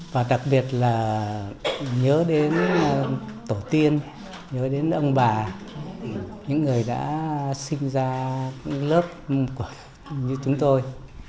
và đặc biệt là nhớ đến tổ tiên nhớ đến ông bà những người đã sinh ra lớp như chúng tôi